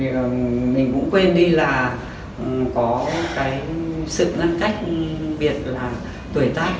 thì mình cũng quên đi là có cái sự ngăn cách biệt là tuổi tác